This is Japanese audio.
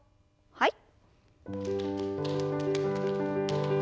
はい。